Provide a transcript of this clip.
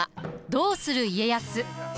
「どうする家康」。